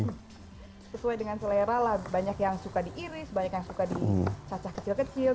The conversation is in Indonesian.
sesuai dengan selera lah banyak yang suka diiris banyak yang suka dicacah kecil kecil